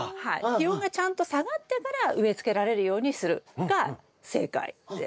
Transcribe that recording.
「気温がちゃんと下がってから植え付けられるようにする」が正解です。